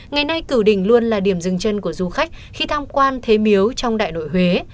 ngày nay cửu đỉnh luôn là điểm dừng chân của du khách khi tham quan thế miếu trong đại nội huế